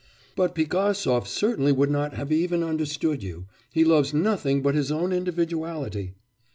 But Pigasov certainly would not have even understood you. He loves nothing but his own individuality.